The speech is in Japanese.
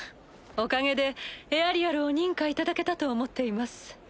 おかげでエアリアルを認可いただけたと思っています。